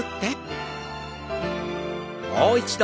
もう一度。